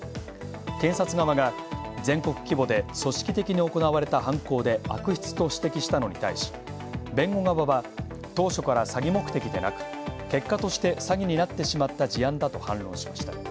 検察側が「全国規模で組織的に行われた犯行で悪質」と指摘したのに対し、弁護側は「当初から詐欺目的でなく、結果として詐欺になってしまった事案だ」と反論しました。